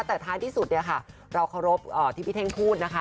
แต่ท้ายที่สุดเนี่ยค่ะเราเคารพที่พี่เท่งพูดนะคะ